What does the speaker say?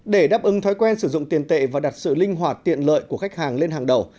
để đáp ứng thói quen sử dụng tiền tệ và đặt sự linh hoạt tiện lợi của khách hàng lên hàng đầu